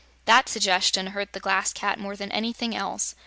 That suggestion hurt the Glass Cat more than anything else.